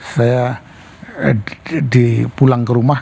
saya dipulang ke rumah